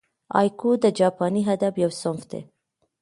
هایکو د جاپاني ادب یو صنف دئ.